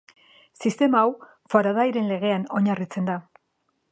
Sistema hau Faradayren legean oinarritzen da.